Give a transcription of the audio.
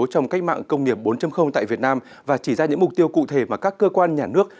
trong cách mạng công nghiệp bốn tại việt nam và chỉ ra những mục tiêu cụ thể mà các cơ quan nhà nước